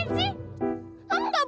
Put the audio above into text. eh kamu ngapain sih